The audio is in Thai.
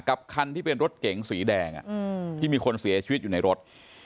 คันที่เป็นรถเก๋งสีแดงที่มีคนเสียชีวิตอยู่ในรถ